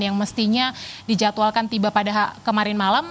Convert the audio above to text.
yang mestinya dijadwalkan tiba pada kemarin malam